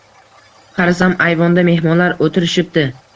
Qarasam, ayvonda mehmonlar o‘tirishibdi.